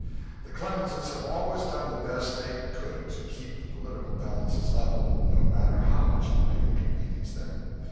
The Clemenses have always done the best they could to keep the political balances level, no matter how much it might inconvenience them.